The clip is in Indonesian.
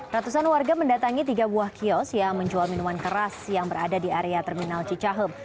ratusan warga mendatangi tiga buah kios yang menjual minuman keras yang berada di area terminal cicahem